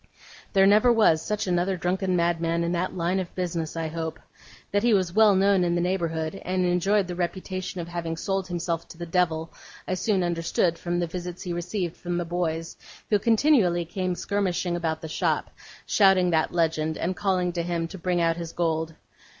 There never was such another drunken madman in that line of business, I hope. That he was well known in the neighbourhood, and enjoyed the reputation of having sold himself to the devil, I soon understood from the visits he received from the boys, who continually came skirmishing about the shop, shouting that legend, and calling to him to bring out his gold.